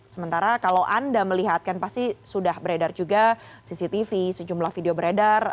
sementara kalau anda melihatkan pasti sudah beredar juga cctv sejumlah video beredar